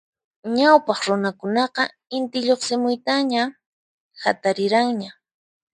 Ñawpaq runakunaqa Inti lluqsimuyta ña hatariranña.